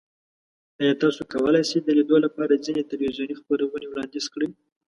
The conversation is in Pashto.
ایا تاسو کولی شئ د لیدو لپاره ځینې تلویزیوني خپرونې وړاندیز کړئ؟